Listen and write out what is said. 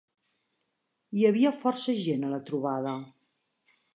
Hi havia força gent, a la trobada.